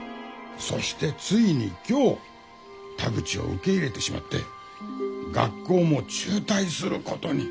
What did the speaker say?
そしてついに今日田口を受け入れてしまって学校も中退することに。